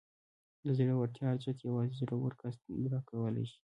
د زړورتیا ارزښت یوازې زړور کس درک کولی شي.